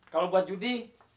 kamu buat judi